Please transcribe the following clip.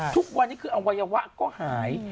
ทุกวันนี้คืออวัยวะก็หาย